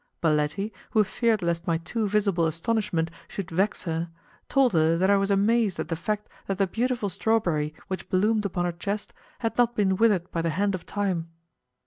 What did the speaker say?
Baletti, who feared lest my too visible astonishment should vex her, told her that I was amazed at the fact that the beautiful strawberry which bloomed upon her chest had not been withered by the hand of Time.